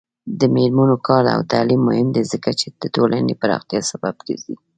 د میرمنو کار او تعلیم مهم دی ځکه چې ټولنې پراختیا سبب ګرځي.